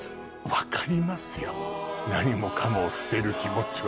分かりますよ何もかもを捨てる気持ちは。